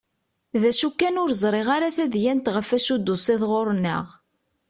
D acu kan ur ẓriɣ ara tadyant ɣef wacu i d-tusiḍ ɣur-nneɣ?